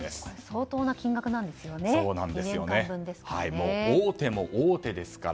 相当な金額なんですよね。